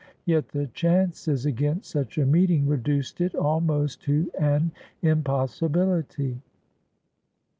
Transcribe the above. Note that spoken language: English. Yet the chances against such a meeting reduced it almost to an impossibility.